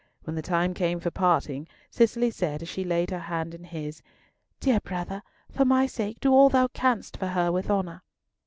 When the time came for parting, Cicely said, as she laid her hand in his, "Dear brother, for my sake do all thou canst for her with honour."